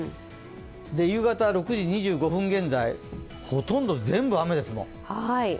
夕方６時２５分現在ほとんど全部雨です。